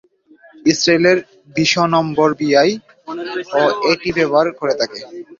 ইসরাইলের ভিশনম্বরবিআই ও এটি ব্যবহার করে থাকে।